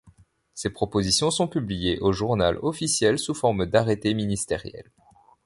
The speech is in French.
Ces propositions sont publiées au Journal officiel sous forme d'arrêtés ministériels.